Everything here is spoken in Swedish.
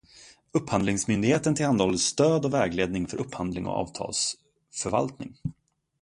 Upphandlingsmyndigheten tillhandahåller stöd och vägledning för upphandling och avtalsförvaltning.